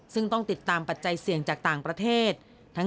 ซึ่งต้องติดตามปัจจัยเสี่ยงจากต่างประเทศ